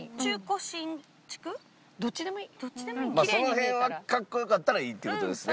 その辺はかっこ良かったらいいっていう事ですね。